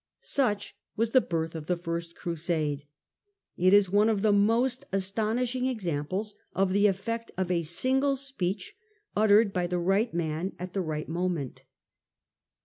Such was the birth of the first crusade. It is one of the most astonishing examples of the efiect of a single speech uttered by the right man at the right mo ment.